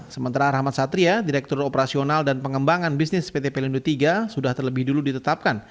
sementara rahmat satria direktur operasional dan pengembangan bisnis pt pelindo iii sudah terlebih dulu ditetapkan